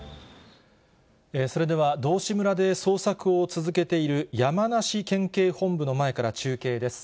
それでは、道志村で捜索を続けている、山梨県警本部の前から中継です。